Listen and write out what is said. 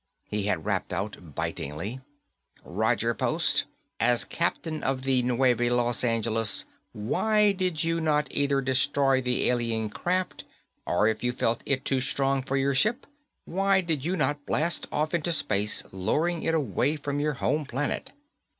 He had rapped out, bitingly, "Roger Post, as captain of the Neuve Los Angeles, why did you not either destroy the alien craft, or, if you felt it too strong for your ship, why did you not blast off into space, luring it away from your home planet?"